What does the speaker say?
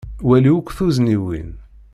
Wali akk tuzniwin.